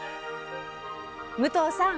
武藤さん